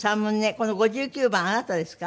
この５９番あなたですか？